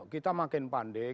kita makin pandai